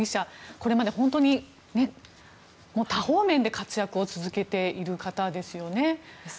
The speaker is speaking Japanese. これまで本当に多方面で活躍を続けている方ですよね。